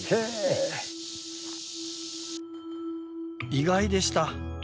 意外でした。